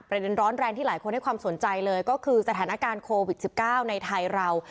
ร้อนแรงที่หลายคนให้ความสนใจเลยก็คือสถานการณ์โควิด๑๙ในไทยเรา